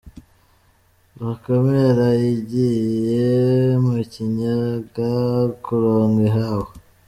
bakame yaraye igiye mukinyaga kuronka ihaho